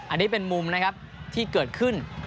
อันนี้เป็นมุมที่เกิดขึ้น